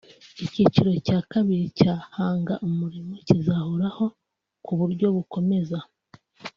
Icyiciro cya kabiri cya Hanga Umurimo cyizahoraho ku buryo bukomeza